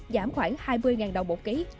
giảm khoảng hai mươi đồng một ký